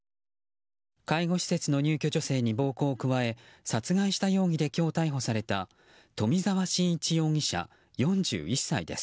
介護施設の入居女性に暴行を加え殺害した容疑で今日逮捕された冨澤伸一容疑者、４１歳です。